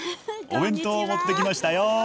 お弁当を持ってきましたよ。